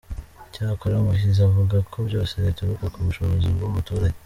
Cyakora Muhizi avuga ko byose bituruka ku bushobozi bw’umuturage.